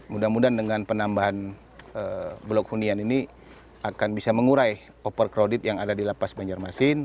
mudah mudahan dengan penambahan blok hunian ini akan bisa mengurai overcrowded yang ada di lapas banjarmasin